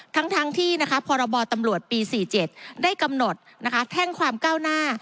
ทั้งที่พรบตำรวจปี๔๗ได้กำหนดแท่งความก้าวหน้า